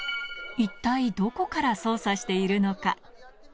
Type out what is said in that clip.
一体どこから操作しているのか。